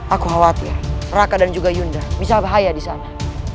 aku khawatir raka dan juga yunda bisa bahaya disana